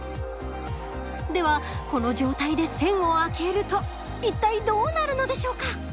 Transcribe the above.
ではこの状態で栓を開けると一体どうなるのでしょうか？